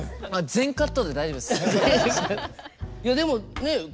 全カットで大丈夫です。